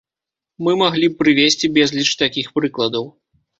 Мы маглі б прывесці безліч такіх прыкладаў.